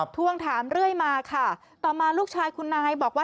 ทวงถามเรื่อยมาค่ะต่อมาลูกชายคุณนายบอกว่า